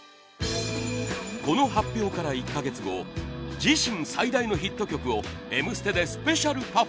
この発表から１カ月後自身最大のヒット曲を『Ｍステ』でスペシャルパフォーマンス。